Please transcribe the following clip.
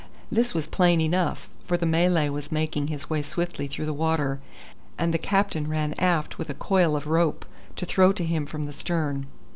This was plain enough, for the Malay was making his way swiftly through the water, and the captain ran aft with a coil of rope to throw to him from the stern.